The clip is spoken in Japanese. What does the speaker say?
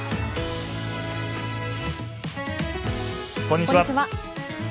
こんにちは。